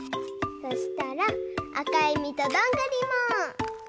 そしたらあかいみとどんぐりも。